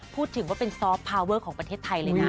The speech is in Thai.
พูดถึงว่าเป็นซอฟต์พาเวอร์ของประเทศไทยเลยนะ